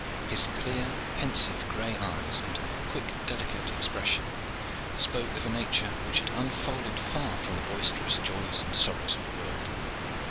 His clear, pensive gray eyes, and quick, delicate expression, spoke of a nature which had unfolded far from the boisterous joys and sorrows of the world.